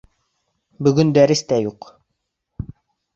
Бөгөн дәрестәр юҡ